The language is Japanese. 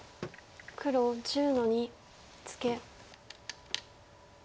黒１０の二ツケ。